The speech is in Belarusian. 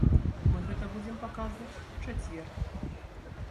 Мы гэта будзем паказваць у чацвер.